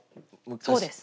そうです。